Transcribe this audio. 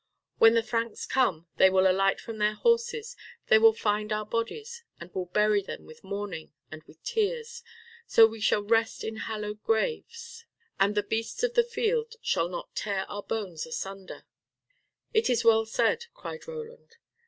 When the Franks come, they will alight from their horses, they will find our bodies, and will bury them with mourning and with tears, so we shall rest in hallowed graves, and the beasts of the field shall not tear our bones asunder." "It is well said," cried Roland.